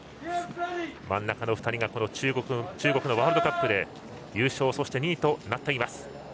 真ん中の２人が中国でのワールドカップで優勝と２位となっています。